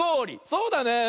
そうだね。